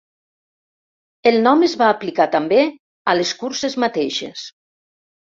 El nom es va aplicar també a les curses mateixes.